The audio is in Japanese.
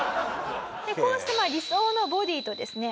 こうして理想のボディとですね